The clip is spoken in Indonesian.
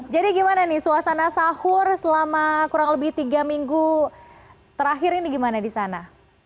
jadi gimana nih suasana sahur selama kurang lebih tiga minggu terakhir ini gimana di sana